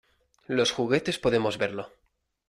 Los juguetes podemos verlo...